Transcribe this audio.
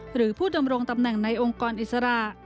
หรือผู้ดำรงตำแหน่งในองค์กรอิสระ